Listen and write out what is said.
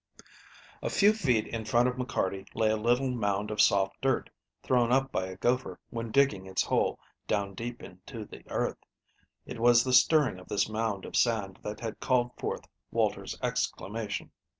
A FEW feet in front of McCarty lay a little mound of soft dirt, thrown up by a gopher when digging its hole down deep into the earth. It was the stirring of this mound of sand that had called forth Walter's exclamation.